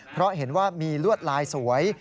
เพราะเห็นว่ามีลวดลายสวย